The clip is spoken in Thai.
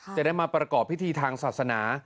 จะได้มาประกอบพิธีทางศาสนา